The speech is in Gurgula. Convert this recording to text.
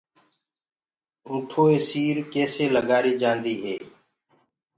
اونٺو سير ڪيسي لگآري جآندي هي